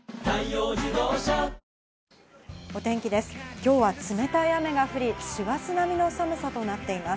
今日は冷たい雨が降り、師走並みの寒さとなっています。